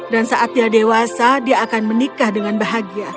dan saat dia dewasa dia akan menikah dengan bahagia